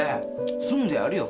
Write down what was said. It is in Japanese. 住んでやるよ